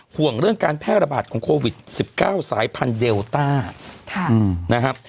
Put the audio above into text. ห่วงเรื่องการแพร่ระบาดของโควิด๑๙สายพันธุเดลต้านะครับ